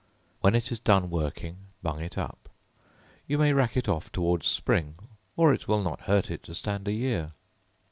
When it is done working, bung it up. You may rack it off towards spring, or it will not hurt it to stand a year.